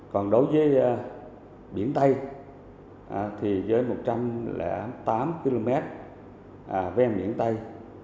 còn đối với biển tây thì với một trăm linh tám km ven biển tây